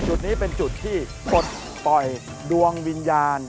จุดนี้เป็นจุดที่ปลดปล่อยดวงวิญญาณ